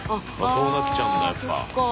そうなっちゃうんだやっぱ。